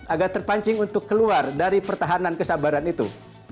agar terpancing untuk keluar dari pertahanan kesabaran itu